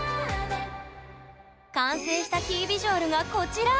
完成したキービジュアルがこちら！